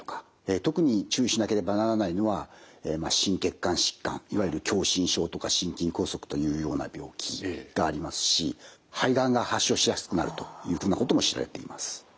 特に注意しなければならないのは心血管疾患いわゆる狭心症とか心筋梗塞というような病気がありますし肺がんが発症しやすくなるというふうなことも知られています。